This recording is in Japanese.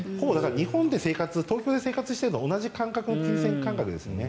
日本で生活東京で生活しているのと同じ感覚の金銭感覚ですよね。